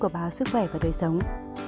của báo sức khỏe và đời sống